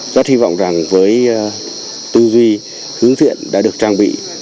rất hy vọng rằng với tư duy hướng thiện đã được trang bị